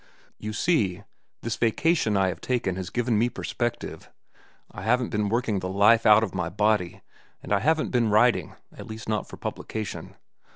"You see, this vacation I have taken has given me perspective. I haven't been working the life out of my body, and I haven't been writing, at least not for publication.